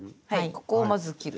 ここをまず切る。